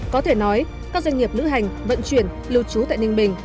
có thể nói các doanh nghiệp lữ hành vận chuyển lưu trú tại ninh bình